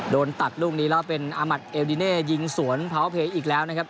โดนตัดลูกนี้แล้วเป็นอามัติเอลดิเน่ยิงสวนพาวเพย์อีกแล้วนะครับ